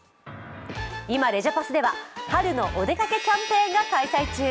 今、レジャパスでは春のお出かけキャンペーンが開催中。